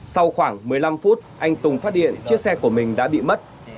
sau khoảng một mươi năm phút anh tùng phát điện chiếc xe của mình đã bị mất